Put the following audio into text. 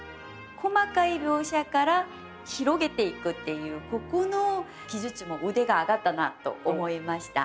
細かい描写から広げていくっていうここの技術も腕が上がったなと思いました。